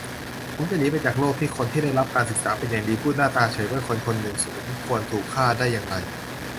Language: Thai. ผมจะหนีไปจากโลกที่คนที่ได้รับการศึกษาเป็นอย่างดี พูดหน้าตาเฉยว่าคนคนหนึ่งสมควรถูกฆ่า ได้อย่างไร